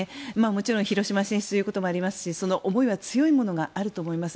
もちろん広島選出ということもありますしその思いは強いものがあると思います。